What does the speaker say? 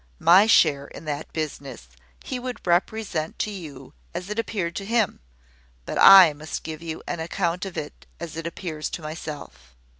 My share in that business he would represent to you as it appeared to him: but I must give you an account of it as it appears to myself.